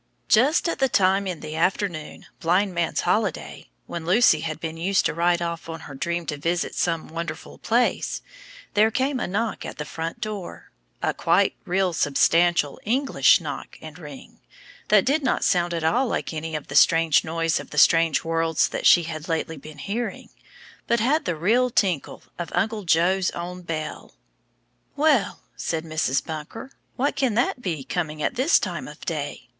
Just at the time in the afternoon, blind man's holiday, when Lucy had been used to ride off on her dream to visit some wonderful place, there came a knock at the front door; a quite real substantial English knock and ring, that did not sound at all like any of the strange noise of the strange worlds that she had lately been hearing, but had the real tinkle of Uncle Joe's own bell. [Illustration: "Good morning. Where do you come from?" Page 131.] "Well," said Mrs. Bunker, "what can that be, coming at this time of day?